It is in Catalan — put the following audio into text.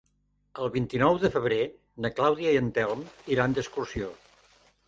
El vint-i-nou de febrer na Clàudia i en Telm iran d'excursió.